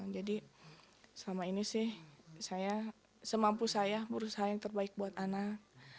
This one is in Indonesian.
jadi selama ini sih saya semampu saya berusaha yang terbaik buat anak